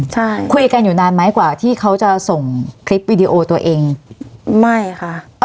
ใช่คุยกันอยู่นานไหมกว่าที่เขาจะส่งคลิปวิดีโอตัวเองไม่ค่ะ